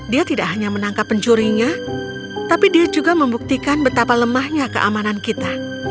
dia tidak hanya menangkap pencurinya tapi dia juga membuktikan betapa lemahnya keamanan kita